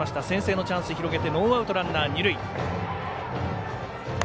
先制のチャンスを広げてノーアウトランナー、二塁。